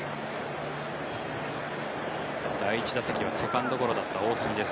第１打席はセカンドゴロだった大谷です。